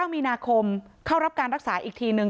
๙มีนาคมเข้ารับการรักษาอีกทีนึง